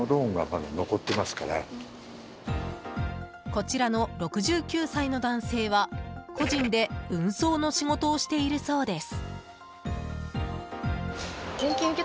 こちらの６９歳の男性は個人で運送の仕事をしているそうです。